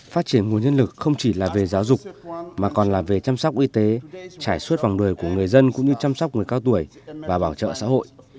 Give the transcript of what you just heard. phát triển nguồn nhân lực không chỉ là về giáo dục mà còn là về chăm sóc y tế trải suốt vòng đời của người dân cũng như chăm sóc người cao tuổi và bảo trợ xã hội